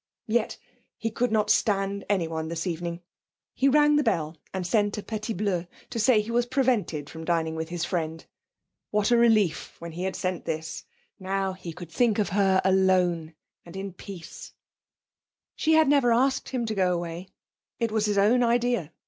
Yes; he could not stand anyone this evening. He rang the bell and sent a petit bleu to say he was prevented from dining with his friend. What a relief when he had sent this now he could think of her alone in peace.... She had never asked him to go away. It was his own idea.